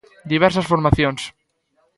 Diversas formacións.